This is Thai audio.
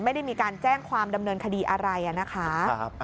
ไม่ได้มีการแจ้งความดำเนินคดีอะไรนะคะ